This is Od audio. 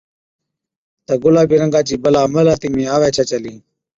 تہ گُلابِي رنگا چِي بَلا محلاتِي ۾ آوَي ڇَي چلِي،